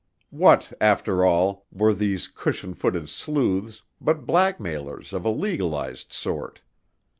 What, after all, were these cushion footed sleuths but blackmailers of a legalized sort?